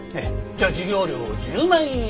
じゃあ授業料１０万円。